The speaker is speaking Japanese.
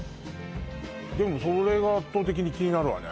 それが圧倒的に気になるわね